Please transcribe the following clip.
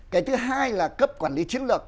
cái thứ hai là cấp quản lý chiến lược